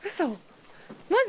マジ？